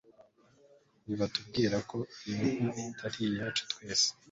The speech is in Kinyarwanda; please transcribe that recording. nibatubwira ko iyi nka itari iyacu twese